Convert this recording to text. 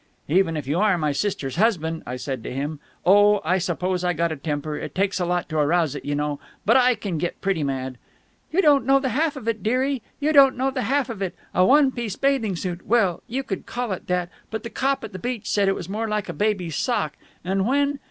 "... Even if you are my sister's husband,' I said to him. Oh, I suppose I got a temper. It takes a lot to arouse it, y'know, but I c'n get pretty mad...." "... You don't know the half of it, dearie, you don't know the half of it! A one piece bathing suit! Well, you could call it that, but the cop of the beach said it was more like a baby's sock. And when...."